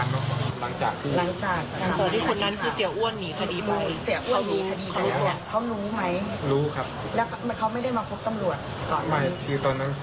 เป็นไงคือตอนนั้น